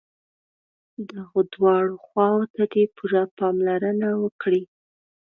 دغو دواړو خواوو ته دې پوره پاملرنه وکړي.